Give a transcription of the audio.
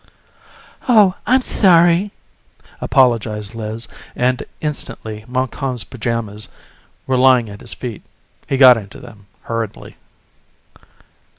"Oh, I'm sorry," apologized Liz, and instantly Montcalm's pajamas were lying at his feet. He got into them hurriedly.